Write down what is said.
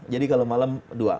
jadi kalau malam dua